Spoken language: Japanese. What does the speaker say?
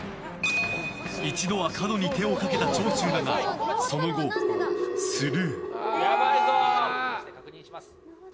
一度は角に手をかけた長州だがその後、スルー。